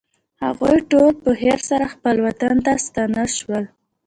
هغوی ټول په خیر سره خپل وطن ته ستانه شول.